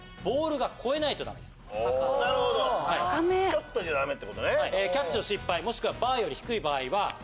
なるほどちょっとじゃダメってことね。